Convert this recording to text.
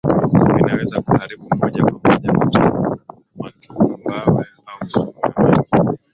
Vinaweza kuharibu moja kwa moja matumbawe au sumu ya maji